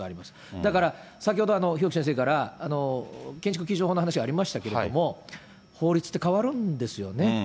だから、先ほど日置先生から建築基準法の話がありましたけれども、法律って変わるんですよね。